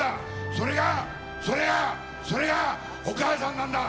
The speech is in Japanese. それが、それが、それがお母さんなんだ。